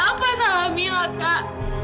apa salah mila kak